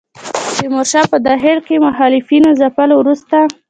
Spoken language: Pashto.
تیمورشاه په داخل کې مخالفینو ځپلو وروسته.